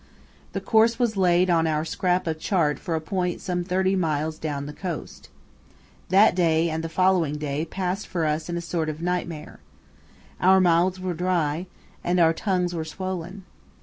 The course was laid on our scrap of chart for a point some thirty miles down the coast. That day and the following day passed for us in a sort of nightmare. Our mouths were dry and our tongues were swollen.